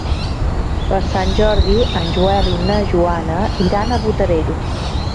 Per Sant Jordi en Joel i na Joana iran a Botarell.